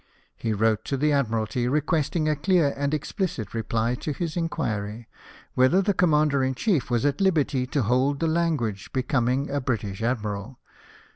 He wrote to the Admiralty, requesting a clear and ex plicit reply to his inquiry, Whether the Commander in Chief was at liberty to hold the language becoming a British Admiral